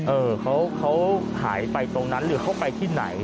เออเขาหายไปตรงนั้นหรือเขาไปที่ไหน